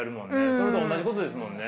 それと同じことですもんね。